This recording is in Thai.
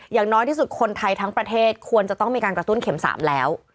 อย่างน้อยที่สุดคนไทยทั้งประเทศควรจะต้องมีการกระตุ้นเข็ม๓แล้ว